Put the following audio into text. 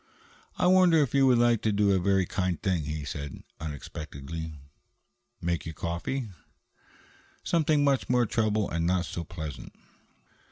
"I wonder if you would like to do a very kind thing," he said unexpectedly. "Make you coffee?" "Something much more trouble and not so pleasant."